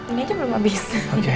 ini aja belum habis